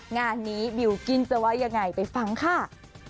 งานนี้บิลกิ้นจะว่ายังไงไปฟังค่ะ